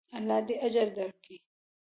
الله دې اجر درکړي.